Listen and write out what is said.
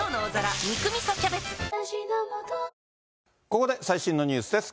ここで最新のニュースです。